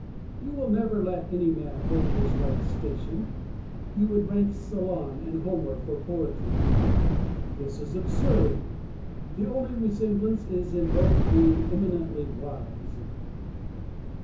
You will never let any man hold his right station : you would rank Solon with Homer for poetry. This is absurd. The only resemblance is in both being eminently wise.